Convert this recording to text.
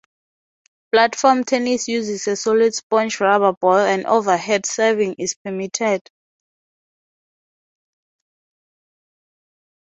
Platform tennis uses a solid sponge rubber ball and overhead serving is permitted.